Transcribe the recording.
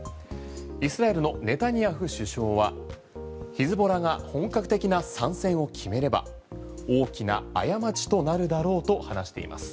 イスラエルのネタニヤフ首相はヒズボラが本格的な参戦を決めれば大きな過ちとなるだろうと話しています。